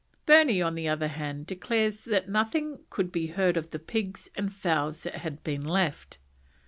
Burney, on the other hand, declares that nothing could be heard of the pigs and fowls that had been left.